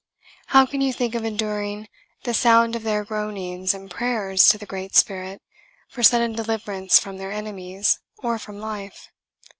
"How can you think of enduring the sound of their groanings and prayers to the Great Spirit for sudden deliverance from their enemies, or from life?